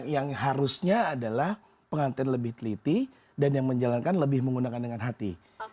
yang harusnya adalah pengantin lebih teliti dan yang menjalankan lebih menggunakan dengan hati